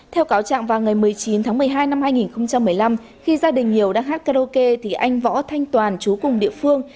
theo cáo trạng vào ngày một mươi chín tháng một mươi hai năm hai nghìn một mươi năm khi gia đình nhiều đã hát karaoke thì anh võ thanh toàn chú cùng địa phương